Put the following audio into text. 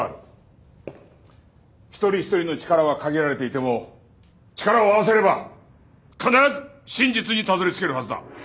一人一人の力は限られていても力を合わせれば必ず真実にたどり着けるはずだ。